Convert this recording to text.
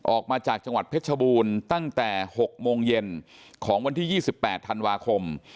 ออกมาจากจังหวัดเพชรบูรณ์ตั้งแต่๖โมงเย็นของวันที่๒๘ธันวาคม